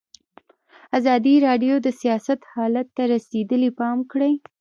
ازادي راډیو د سیاست حالت ته رسېدلي پام کړی.